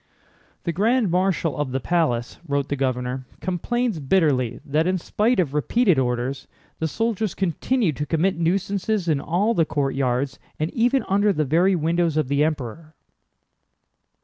"The Grand Marshal of the palace," wrote the governor, "complains bitterly that in spite of repeated orders, the soldiers continue to commit nuisances in all the courtyards and even under the very windows of the Emperor."